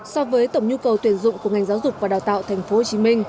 so với tổng nhu cầu tuyển dụng của ngành giáo dục và đào tạo tp hcm